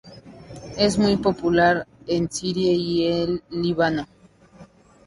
Es muy popular en Siria y el Líbano.